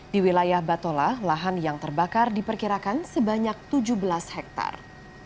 di wilayah batola lahan yang terbakar diperkirakan sebanyak tujuh belas hektare